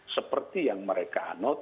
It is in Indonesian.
seperti yang mereka anot